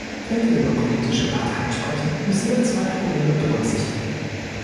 Wenn wir über politische Parteien sprechen, müssen wir zwei Probleme berücksichtigen.